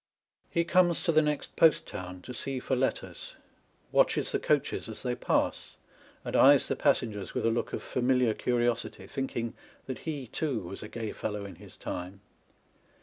He comes to the next post town to see for letters, watches the coaches as they pass, and eyes the passengers with a look of familiar curiosity, thinking that he, too, was a gay fellow in his time.